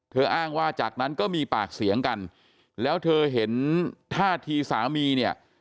อ้างว่าจากนั้นก็มีปากเสียงกันแล้วเธอเห็นท่าทีสามีเนี่ย